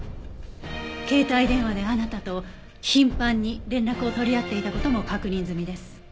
携帯電話であなたと頻繁に連絡を取り合っていた事も確認済みです。